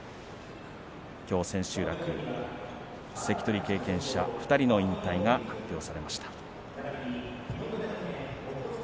きょう千秋楽関取経験者２人の引退が発表されました。